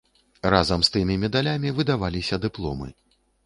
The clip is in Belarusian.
Разам з тымі медалямі выдаваліся дыпломы.